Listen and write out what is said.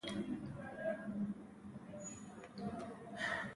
زمونږ هېواد ته د بهرنیو مرستو لویه برخه بیرته بهر ته لیږدول کیږي.